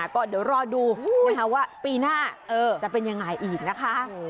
ก็เดี๋ยวรอดูนะคะว่าปีหน้าจะเป็นยังไงอีกนะคะ